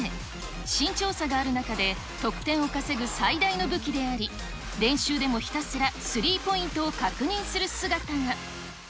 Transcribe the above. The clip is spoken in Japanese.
身長差がある中で、得点を稼ぐ最大の武器であり、練習でもひたすらスリーポイントを確認する姿が。